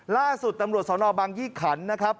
ล่าสุดตำรวจสนบังยี่ขันนะครับ